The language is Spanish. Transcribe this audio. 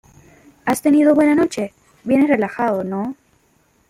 ¿ has tenido buena noche? vienes relajado, ¿ no?